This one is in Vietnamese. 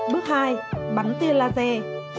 bước hai bắn tia laser